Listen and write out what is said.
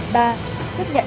ba chấp nhận hợp đồng lao động